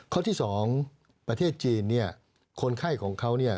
ข้อที่๒ประเทศจีนเนี่ยคนไข้ของเขาเนี่ย